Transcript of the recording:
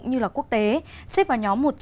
như là quốc tế xếp vào nhóm một trăm linh